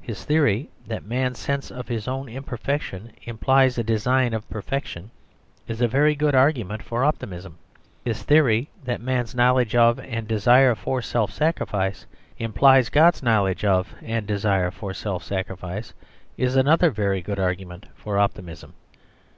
His theory, that man's sense of his own imperfection implies a design of perfection, is a very good argument for optimism. His theory that man's knowledge of and desire for self sacrifice implies God's knowledge of and desire for self sacrifice is another very good argument for optimism.